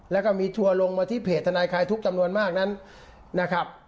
แล้วก็มีทัวร์ลงมาที่เพจทนายคลายทุกข์จำนวนมากนั้นนะครับ